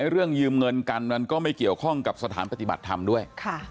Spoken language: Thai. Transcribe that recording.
เรื่องยืมเงินกันมันก็ไม่เกี่ยวข้องกับสถานปฏิบัติธรรมด้วย